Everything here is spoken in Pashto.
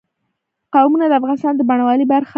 قومونه د افغانستان د بڼوالۍ برخه ده.